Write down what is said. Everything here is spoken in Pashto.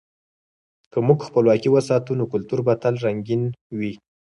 که موږ خپلواکي وساتو، نو کلتور به تل رنګین وي.